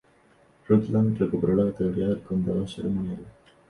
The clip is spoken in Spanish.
Rutland recuperó la categoría de condado ceremonial.